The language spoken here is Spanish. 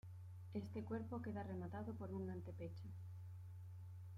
Este cuerpo queda rematado por un antepecho.